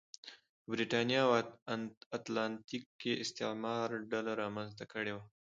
په برېتانیا او اتلانتیک کې استعمار ډله رامنځته کړې وه.